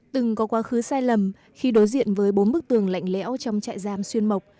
từng có quá khứ sai lầm khi đối diện với bốn bức tường lạnh lẽo trong trại giam xuyên mộc